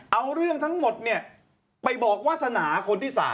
เอาเรื่องทั้งหมดไปบอกวาสนาคนที่๓